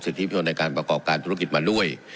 ที่ประชนในการประกอบการธุรกิจมาด้วย